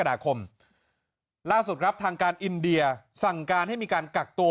นาคมล่าสุดครับทางการอินเดียสั่งการให้มีการกักตัว